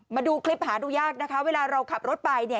มาดูคลิปหาดูยากนะคะเวลาเราขับรถไปเนี่ย